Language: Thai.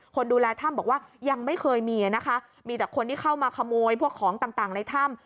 คนดูแลถ้ำบอกว่ายังไม่เคยมีนะคะมีแต่คนที่เข้ามาขโมยพวกของต่างในถ้ำ